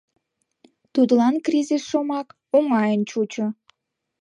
Тудлан «кризис» шомак оҥайын чучо.